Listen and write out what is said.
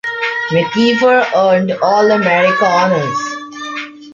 McKeever earned All-America honors.